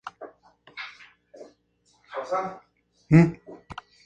Luego expulsó a su hermano, quien pidió ayuda a Pirro y a Demetrio Poliorcetes.